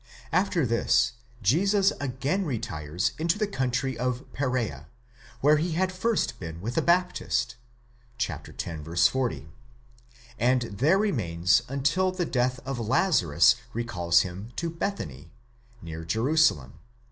After this Jesus again retires into the country of Perea, where he had first been with the Baptist (x. 40), and there remains until the death of Lazarus recalls him to Bethany, near Jerusalem (xi.